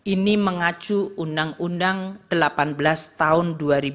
ini mengacu undang undang delapan belas tahun dua ribu dua